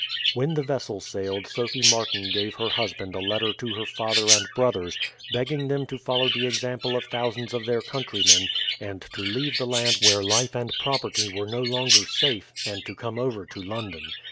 When the vessel sailed Sophie Martin gave her husband a letter to her father and brothers, begging them to follow the example of thousands of their countrymen, and to leave the land where life and property were no longer safe, and to come over to London.